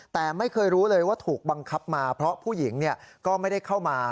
แต่ไม่เคยรู้เลยว่าถูกบังคับมาเพราะผู้หญิงก็ไม่ได้เข้ามา